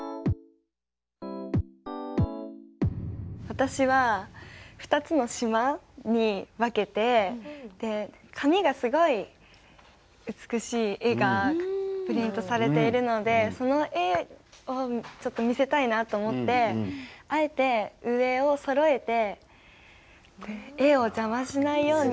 私は２つの島に分けて紙がすごい美しい絵がプリントされているのでその絵を見せたいなと思ってあえて上をそろえて絵を邪魔しないように。